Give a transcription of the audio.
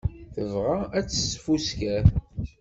Tebɣa ad tesfusker.